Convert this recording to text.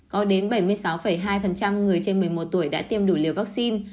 có đến bảy mươi sáu hai người trên một mươi một tuổi đã tiêm đủ liều vaccine